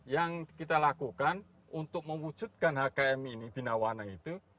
yang kita lakukan untuk mewujudkan hkm ini binawana itu